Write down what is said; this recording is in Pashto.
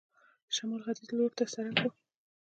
شمال ختیځ لور ته سړک و.